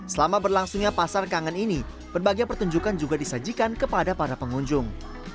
selama berlangsungnya pasar kangen ini berbagai pertunjukan juga disajikan kepada para pengunjung